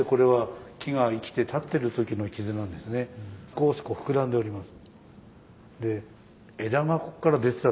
少し膨らんでおります。